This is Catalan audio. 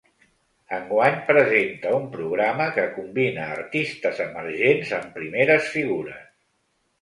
Enguany, presenta un programa que combina artistes emergents amb primeres figures.